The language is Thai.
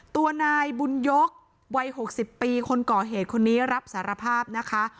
ตัวนายบุญยกวัย๖๐ปีคนก่อเหตุคนนี้รับสารภาพนะคะ